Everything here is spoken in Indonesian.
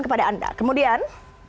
kepada anda kemudian